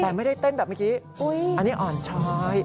แต่ไม่ได้เต้นแบบเมื่อกี้อันนี้อ่อนช้อย